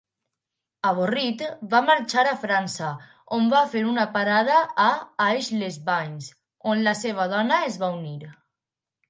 Avorrit, va marxar a França, on va fer una parada a Aix-les-Bains on la seva dona es va unir.